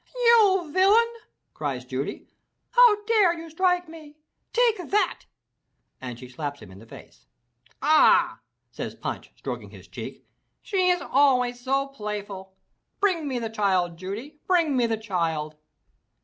"You villain," cries Judy, "how dare you strike me? Take that!" and she slaps him in the face. "Ah," says Punch stroking his cheek, "she is always so play ful! Bring me the child, Judy! Bring me the child!"